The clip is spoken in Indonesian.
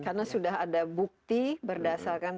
karena sudah ada bukti berdasarkan